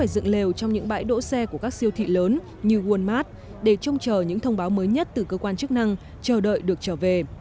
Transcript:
dựng lều trong những bãi đỗ xe của các siêu thị lớn như walmart để trông chờ những thông báo mới nhất từ cơ quan chức năng chờ đợi được trở về